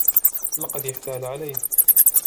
لقد إحتال عليه.